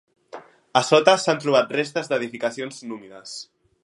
A sota, s'han trobat restes d'edificacions númides.